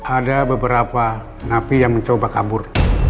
ada beberapa napi yang mencoba kabur